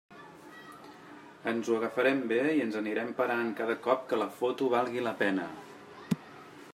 Ens ho agafarem bé i ens anirem parant cada cop que la foto valgui la pena.